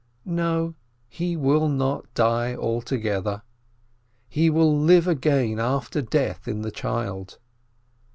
No, he will not die altogether, he will live again after death in the child.